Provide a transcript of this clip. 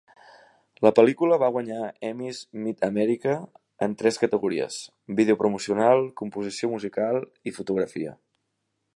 La pel·lícula va guanyar Emmys Mid-America en tres categories: vídeo promocional, composició musical i fotografia.